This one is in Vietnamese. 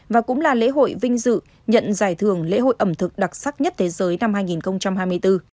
và cũng là lễ hội vinh dự nhận giải thưởng lễ hội ẩm thực đặc sắc nhất thế giới năm hai nghìn hai mươi bốn